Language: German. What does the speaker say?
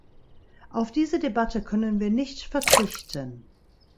Auf diese Debatte können wir nicht verzichten.